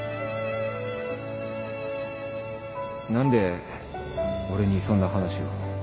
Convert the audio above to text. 何で俺にそんな話を。